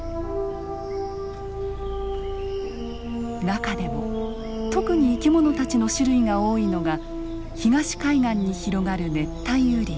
中でも特に生き物たちの種類が多いのが東海岸に広がる熱帯雨林。